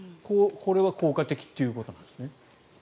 これは効果的ということなんですね。